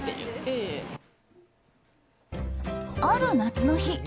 ある夏の日。